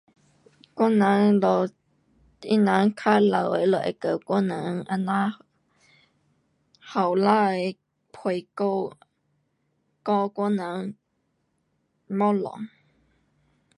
我人就，他人较老的他们会跟我人这样年轻的陪聊。教我人东西。